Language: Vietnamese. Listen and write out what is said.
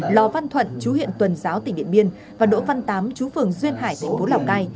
lò văn thuận chú huyện tuần giáo tỉnh điện biên và đỗ văn tám chú phường duyên hải thành phố lào cai